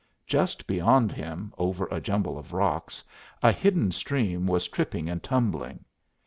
Just beyond him, over a jumble of rocks, a hidden stream was tripping and tumbling.